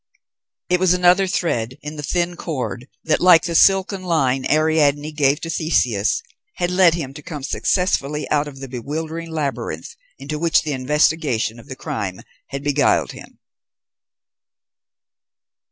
It was another thread in the thin cord that, like the silken line Ariadne gave to Theseus, had led him to come successfully out of the bewildering labyrinth into which the investigation of the crime had beguiled him.